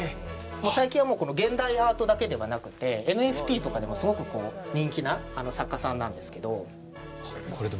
最近は現代アートだけではなくてＮＦＴとかでもすごく人気な作家さんです。